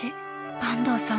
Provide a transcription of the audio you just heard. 坂東さん！